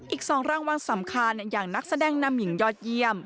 อีก๒รางวัลสำคัญอย่างนักแสดงนำหญิงยอดเยี่ยม